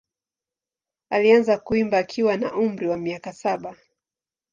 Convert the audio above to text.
Alianza kuimba akiwa na umri wa miaka saba.